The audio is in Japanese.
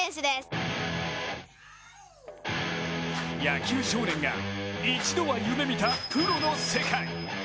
野球少年が一度は夢みた、プロの世界。